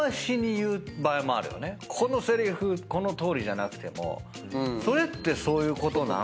このせりふこのとおりじゃなくてもそれってそういうことなん？